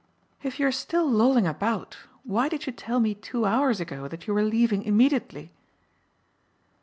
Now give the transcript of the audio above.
"If you're still lolling about why did you tell me two hours ago that you were leaving immediately?"